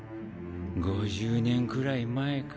５０年くらい前か。